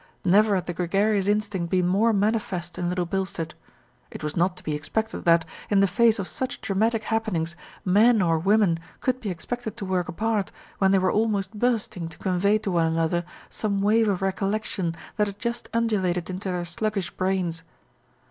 Never had the gregarious instinct been more manifest in Little Bilstead. It was not to be expected that, in the face of such dramatic happenings, men or women could be expected to work apart, when they were al most bursting to convey to one another some wave of recollection that had just undulated into their slug gish brains.